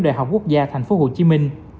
đại học quốc gia tp hcm